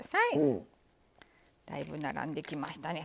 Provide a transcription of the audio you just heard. だいぶ並んできましたね。